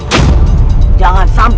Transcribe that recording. aku akan menemukanmu